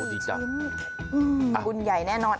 อืมบุญใหญ่แน่นอน